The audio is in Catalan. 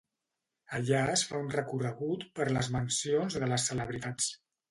Allà es fa un recorregut per les mansions de les celebritats.